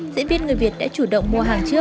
diễn viên người việt đã chủ động mua hàng trước